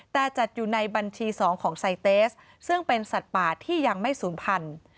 แต่จัดอยู่ในบัญชี๒ของไซเตสซึ่งเป็นสัตว์ป่าที่ยังไม่ศูนย์พันธุ์